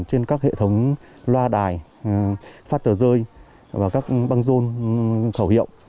trên các hệ thống loa đài phát tờ rơi và các băng rôn khẩu hiệu